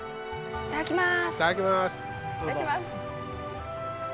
いただきます。